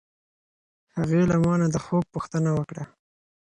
هغې له ما نه د خوب پوښتنه وکړه.